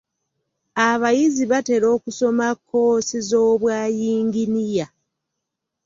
Abayizi batera okusoma koosi z'obwa yinginiya.